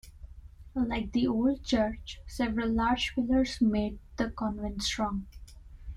Like the old church, several large pillars made the convent strong.